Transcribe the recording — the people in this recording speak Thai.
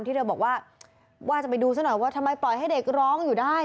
ที่เธอบอกว่าว่าจะไปดูซะหน่อยว่าทำไมปล่อยให้เด็กร้องอยู่ได้